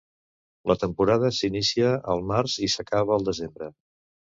La temporada s'inicia al març i s'acaba al desembre.